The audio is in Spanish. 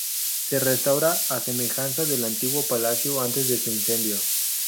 Se restaura a semejanza del antiguo palacio antes de su incendio.